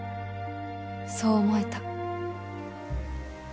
そう思えた